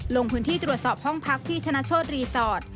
ลงพื้นที่ตรวจสอบห้องพักพี่ธนโชธรีสอร์ท